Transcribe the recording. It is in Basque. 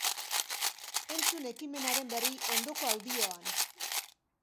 Entzun ekimenaren berri, ondoko audioan!